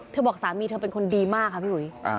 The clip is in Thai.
บอกสามีเธอเป็นคนดีมากค่ะพี่อุ๋ย